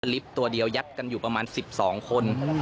ลิฟต์ตัวเดียวยัดกันอยู่ประมาณ๑๒คน